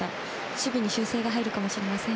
守備に修正が入るかもしれません。